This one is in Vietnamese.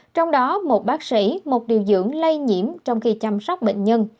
trong đó một bác sĩ một điều dưỡng lây nhiễm trong khi chăm sóc bệnh nhân